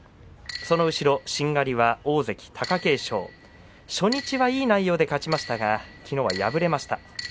その後ろしんがりは大関貴景勝初日はいい内容で勝ちましたがきのう敗れました。